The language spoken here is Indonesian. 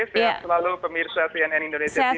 sehat selalu pemirsa cnn indonesia tv